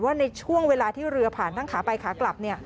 ในช่วงเวลาที่เรือผ่านทั้งขาไปขากลับ